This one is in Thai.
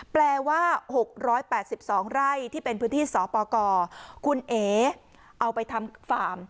แปลว่าหกร้อยแปดสิบสองไร่ที่เป็นพื้นที่สอปกรคุณเอ๋เอาไปทำฟาร์ม